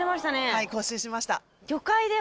はい更新しました。